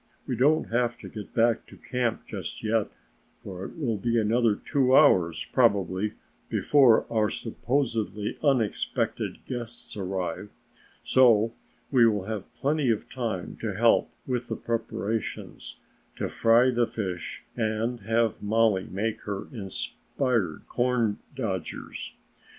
We don't have to get back to camp just yet, for it will be another two hours probably before our supposedly unexpected guests arrive, so we will have plenty of time to help with the preparations, to fry the fish and have Mollie make her inspired corn dodgers.